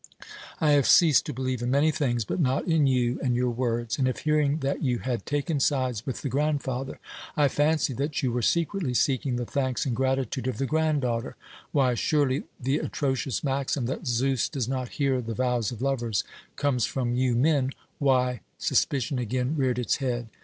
I have ceased to believe in many things, but not in you and your words, and if hearing that you had taken sides with the grandfather, I fancied that you were secretly seeking the thanks and gratitude of the granddaughter, why surely the atrocious maxim that Zeus does not hear the vows of lovers comes from you men why, suspicion again reared its head.